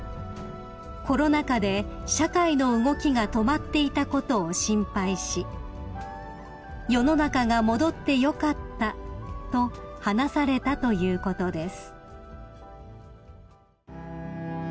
［コロナ禍で社会の動きが止まっていたことを心配し「世の中が戻ってよかった」と話されたということです］